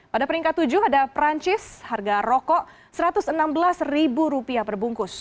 pada peringkat tujuh ada perancis harga rokok rp satu ratus enam belas perbungkus